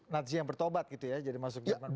nazi yang bertobat gitu ya jadi masuk jerman barat